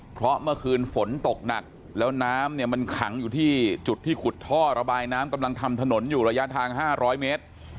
เพราะเมื่อคืนฝนตกหนักแล้วน้ำเนี่ยมันขังอยู่ที่จุดที่ขุดท่อระบายน้ำกำลังทำถนนอยู่ระยะทาง๕๐๐เมตร